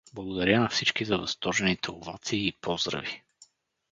Благодаря на всички за възторжените овации и поздрави.